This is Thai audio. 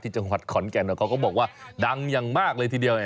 จังหวัดขอนแก่นเขาก็บอกว่าดังอย่างมากเลยทีเดียว